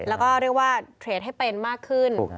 แล้วก็เรียกว่าเทรดให้เป็นมากขึ้น